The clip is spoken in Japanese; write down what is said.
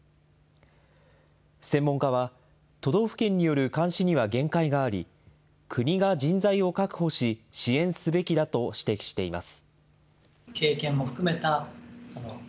専門家は、都道府県による監視には限界があり、国が人材を確保し、支援すべきだと指摘しています。